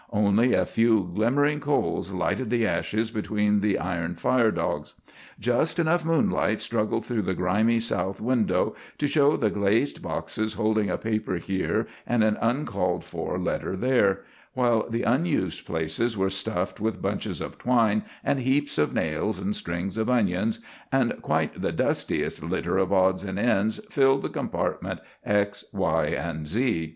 Only a few glimmering coals lighted the ashes between the iron fire dogs. Just enough moonlight struggled through the grimy south window to show the glazed boxes, holding a paper here and an uncalled for letter there, while the unused places were stuffed with bunches of twine, and heaps of nails, and strings of onions, and quite the dustiest litter of odds and ends filled the compartments X, Y, and Z.